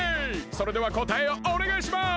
それではこたえをおねがいします！